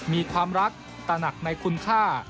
มีความรักตระหนักในคุณค่า